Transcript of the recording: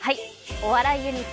お笑いユニット